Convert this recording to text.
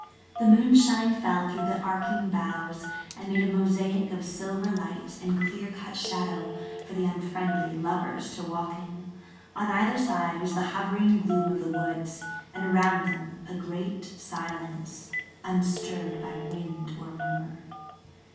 The moonshine fell through the arching boughs and made a mosaic of silver light and clear cut shadow for the unfriendly lovers to walk in. On either side was the hovering gloom of the woods, and [Page 151] around them a great silence unstirred by wind or murmur.